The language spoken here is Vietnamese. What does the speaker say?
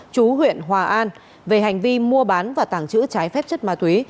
chú huyện hòa an về hành vi mua bán và tàng trữ trái phép chất ma túy